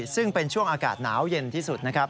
ซึ่งเป็นช่วงอากาศหนาวเย็นที่สุดนะครับ